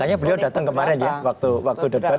makanya beliau datang kemarin ya waktu debat